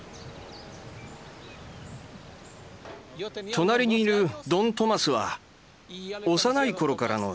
隣にいるドン・トマスは幼い頃からの知り合いです。